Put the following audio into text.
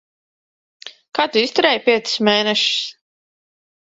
Kā tu izturēji piecus mēnešus?